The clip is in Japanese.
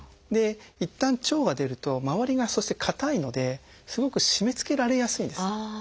いったん腸が出るとまわりがそしてかたいのですごく締めつけられやすいんですね。